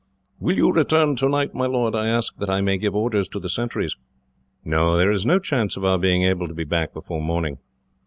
"Will you return tonight, my lord? I ask that I may give orders to the sentries." "No; there is no chance of our being able to be back before morning."